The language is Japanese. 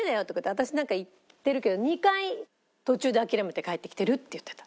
「私なんか行ってるけど２回途中で諦めて帰ってきてる」って言ってた。